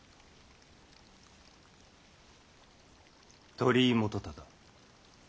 鳥居元忠。